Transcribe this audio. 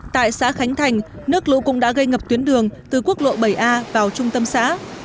tại xã khánh thành nước lũ cũng đã gây ngập tuyến đường từ quốc lộ bảy a